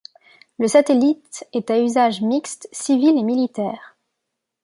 Le satellite est à usage mixte civil et militaire.